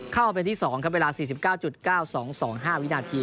เข้าเป็นที่๒ครับเวลา๔๙๙๒๒๕วินาที